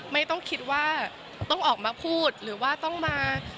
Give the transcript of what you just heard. ไม่ต้องคิดว่าต้องออกมาพูดหรือว่าต้องมา